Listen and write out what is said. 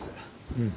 うん。